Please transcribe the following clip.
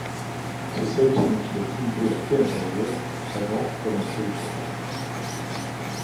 Ce salut signifie la dignité et la paix intérieure avant comme après le combat.